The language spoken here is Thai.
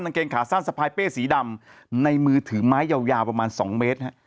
เกงขาสั้นสะพายเป้สีดำในมือถือไม้ยาวยาวประมาณสองเมตรฮะ